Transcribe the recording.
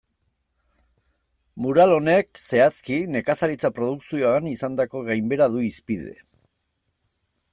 Mural honek, zehazki, nekazaritza produkzioan izandako gainbehera du hizpide.